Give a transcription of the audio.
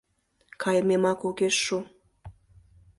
Кайымемак огеш шу.